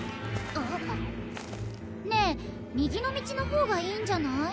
ねえ右の道の方がいいんじゃない？